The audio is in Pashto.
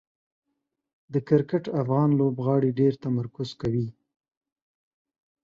د کرکټ افغان لوبغاړي ډېر تمرکز کوي.